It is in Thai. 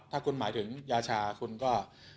ถ้าคุณหมายถึงยาชาคุณก็